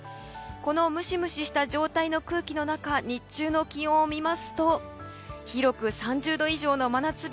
このムシムシした状態の空気の中日中の気温を見ますと広く３０度以上の真夏日。